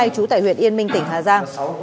chú tại huyện yên minh tỉnh hà giang